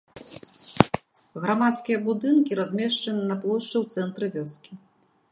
Грамадскія будынкі размешчаны на плошчы ў цэнтры вёскі.